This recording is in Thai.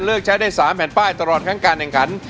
เลือกใช้ได้๓แผ่นป้ายตลอดทั้งกันอย่างกัน